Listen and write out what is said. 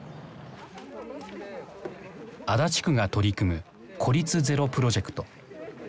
足立区が取り組む孤立ゼロプロジェクト。